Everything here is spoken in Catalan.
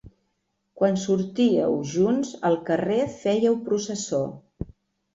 Quan sortíeu junts al carrer fèieu processó.